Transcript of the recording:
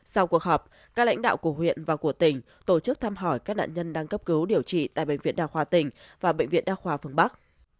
sau cuộc họp các lãnh đạo của huyện và của tỉnh tổ chức thăm hỏi các nạn nhân đang cấp cứu điều trị tại bệnh viện đa khoa tỉnh và bệnh viện đa khoa phương bắc